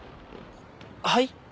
はい？